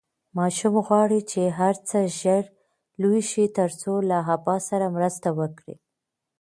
ماشوم غواړي چې هر څه ژر لوی شي ترڅو له ابا سره مرسته وکړي.